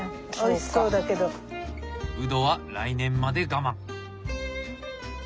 ウドは来年まで我慢！